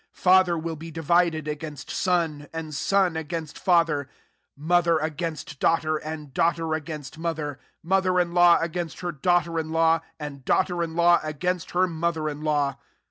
53 Father will be divided against son, and son against father ; mother against daughter, and daughter against mother; mother in law against her daughter in law, and daughter in law against her mother in law.'